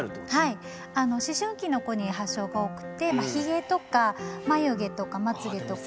はい思春期の子に発症が多くってひげとか眉毛とかまつげとか。